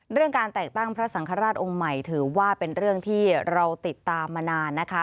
เรื่องการแต่งตั้งพระสังฆราชองค์ใหม่ถือว่าเป็นเรื่องที่เราติดตามมานานนะคะ